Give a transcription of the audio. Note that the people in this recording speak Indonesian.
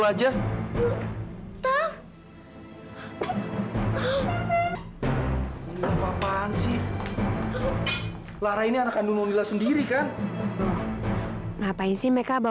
lera jangan bikin ibu marah